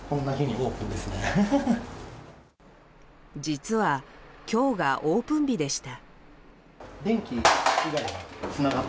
実は、今日がオープン日でした。